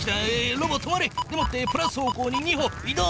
ロボ止まれ！でもってプラス方向に２歩い動！